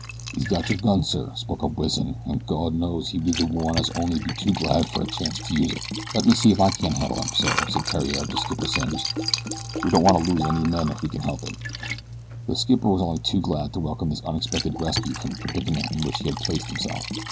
"He's got your gun, sir," spoke up Wison, "an' Gawd knows he be the one as'ud on'y be too glad for the chanct to use it." "Let me see if I can't handle him, sir," said Theriere to Skipper Simms. "We don't want to lose any men if we can help it." The skipper was only too glad to welcome this unexpected rescue from the predicament in which he had placed himself.